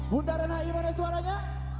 bundaran hi mana suaranya